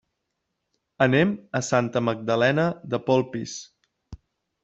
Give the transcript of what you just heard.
Anem a Santa Magdalena de Polpís.